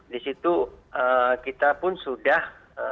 di situ kita pun sudah